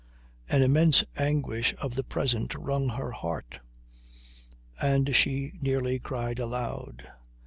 An immense anguish of the present wrung her heart, and she nearly cried aloud.